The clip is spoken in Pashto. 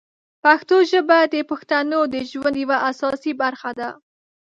پښتو ژبه د پښتنو د ژوند یوه اساسي برخه ده.